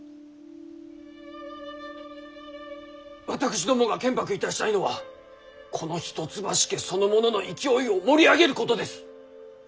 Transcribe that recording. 私どもが建白いたしたいのはこの一橋家そのものの勢いを盛り上げることです。